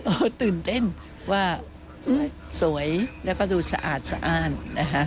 โอ้ตื่นเต้นว่าสวยแล้วก็ดูสะอาดนะคะ